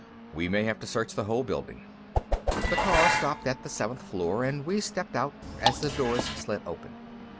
We may have to search the whole building." The car stopped at the seventh door, and we stepped out as the doors slid open.